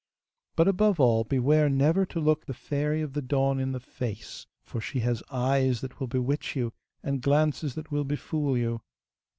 But above all beware never to look the Fairy of the Dawn in the face, for she has eyes that will bewitch you, and glances that will befool you.